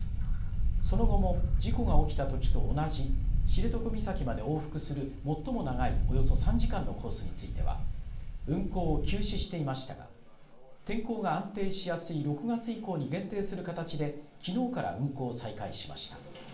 その後も事故が起きたときと同じ知床岬まで往復する最も長いおよそ３時間のコースについては運航を休止していましたが天候が安定しやすい６月以降に限定する形できのうから運航を再開しました。